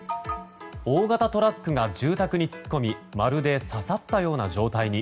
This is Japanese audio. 大型トラックが住宅に突っ込みまるで刺さったような状態に。